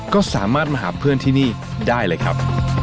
ก็สามารถมาหาเพื่อนที่นี่ได้เลยครับ